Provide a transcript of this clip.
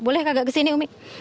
boleh kagak kesini umi